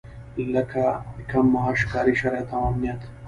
لکه کم معاش، کاري شرايط او امنيت.